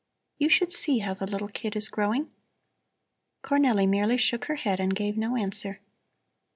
You should see how the little kid is growing." Cornelli merely shook her head and gave no answer.